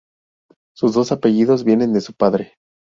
Sus dos apellidos vienen de su padre.